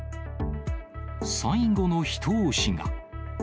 最後の一押しが。